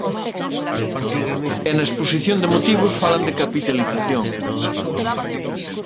E na exposición de motivos falan de capitalización.